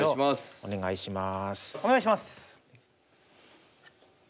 お願いします！